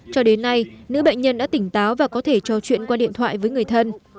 cho đến nay nữ bệnh nhân đã tỉnh táo và có thể trò chuyện qua điện thoại với người thân